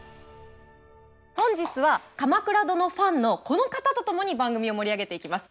本日は「鎌倉殿」ファンのこの方と共に番組を盛り上げていきます。